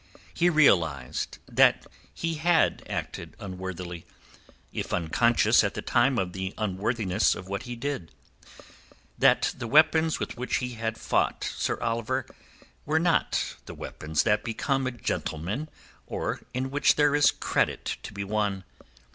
He realized that he had acted unworthily, if unconscious at the time of the unworthiness of what he did; that the weapons with which he had fought Sir Oliver were not the weapons that become a Gentleman or in which there is credit to be won.